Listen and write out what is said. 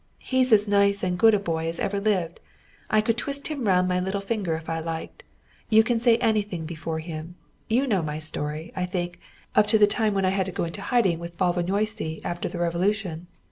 "He's as nice and good a boy as ever lived. I could twist him round my little finger if I liked. You can say anything before him. You know my story, I think, up to the time when I had to go into hiding with Bálványossi after the Revolution.